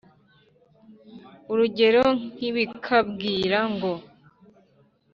Urugero nk ibikabwira ngo